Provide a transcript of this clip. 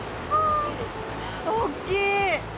大きい！